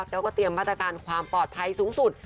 แล้วก็เตรียมมาตรการความปลอดภัยสูงสุด